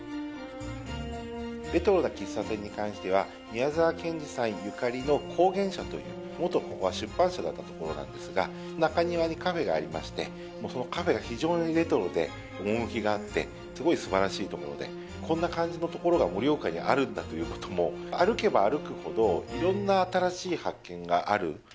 レトロな喫茶店に関しては、宮沢賢治さんゆかりの光原社という元、ここは出版社だった所なんですが、中庭にカフェがありまして、そのカフェが非常にレトロで趣があって、すごいすばらしい所で、こんな感じの所が盛岡にあるんだということも、歩けば歩くほど、いろんな新しい発見がある。